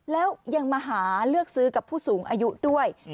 แล้วยังมาหาเลือกซื้อกับผู้สูงอายุด้วย